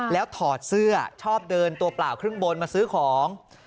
แล้วถอดเสื้อชอบเดินตัวเปล่าครึ่งบนมาซื้อของ